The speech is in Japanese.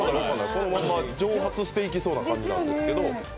そのまま蒸発していきそうな感じですけど。